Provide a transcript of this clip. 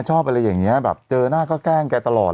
ชอบอะไรอย่างนี้แบบเจอหน้าก็แกล้งแกตลอด